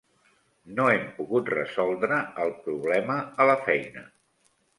No hem pogut resoldre el problema a la feina.